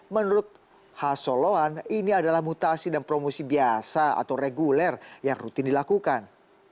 menurut hasoloan ini adalah mutasi dan promosi biasa atau reguler yang rutin dilakukan